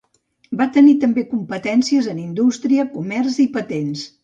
Va tenir també competències en indústria, comerç i patents.